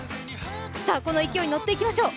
この勢いにのっていきましょう。